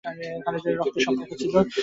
তাদের সকলের সাথে খালিদের রক্তের সম্পর্ক ছিল।